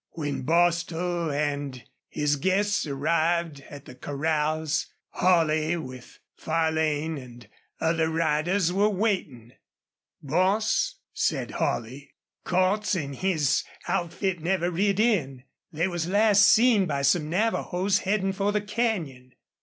When Bostil and, his guests arrived at the corrals, Holley, with Farlane and other riders, were waiting. "Boss," said Holley, "Cordts an' his outfit never rid in. They was last seen by some Navajos headin' for the canyon."